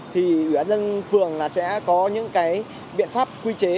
thì ủy ban dân phường là sẽ có những cái biện pháp quy chế